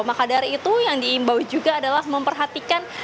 makadari itu yang diimbau juga adalah memperhatikan